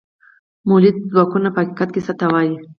مؤلده ځواکونه په حقیقت کې څه ته وايي؟